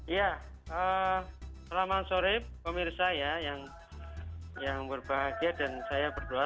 ya selamat sore pemirsa ya yang berbahagia dan saya berdoa